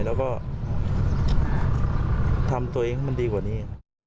แล้วก็ทำตัวเองให้มันดีกว่านี้